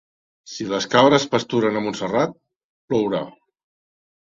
Si les cabres pasturen a Montserrat, plourà.